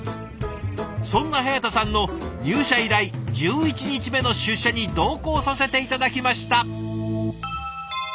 そんな早田さんの入社以来１１日目の出社に同行させて頂きました。